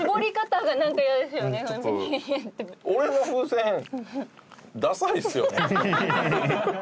俺の風船ダサいっすよね。